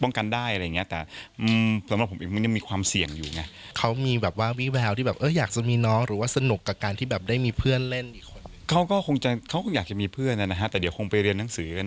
ป้องกันได้อะไรอย่างนี้แต่สำหรับผมยังมีความเสี่ยงอยู่